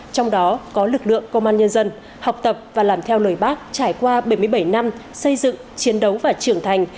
trong đó có lực lượng công an nhân dân học tập và làm theo lời bác trải qua bảy mươi bảy năm xây dựng chiến đấu và trưởng thành